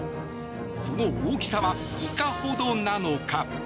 その大きさはいかほどなのか？